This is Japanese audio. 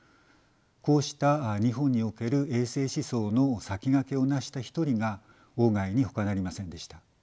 こうした日本における衛生思想の先駆けをなした一人が外にほかなりませんでした。